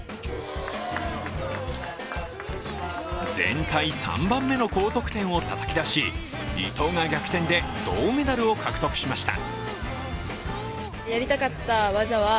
全体３番目の高得点をたたきだし、伊藤が逆転で銅メダルを獲得しました。